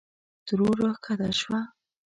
ترور راکښته شوه.